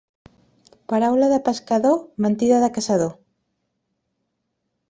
Paraula de pescador, mentida de caçador.